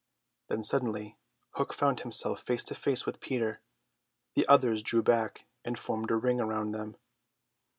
Thus suddenly Hook found himself face to face with Peter. The others drew back and formed a ring around them.